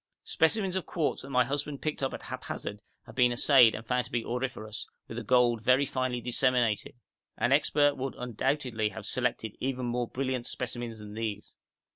Specimens of quartz that my husband picked up at haphazard have been assayed and found to be auriferous, with the gold very finely disseminated; an expert would undoubtedly have selected even more brilliant specimens than these.